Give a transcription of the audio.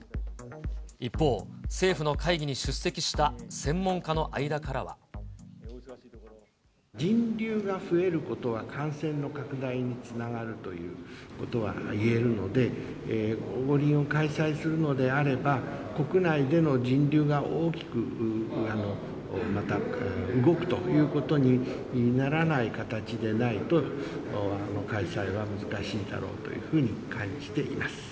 一方、政府の会議に出席した専門家の間からは。人流が増えることは、感染の拡大につながるということは言えるので、五輪を開催するのであれば、国内での人流が大きくまた動くということにならない形でないと、開催は難しいだろうというふうに感じています。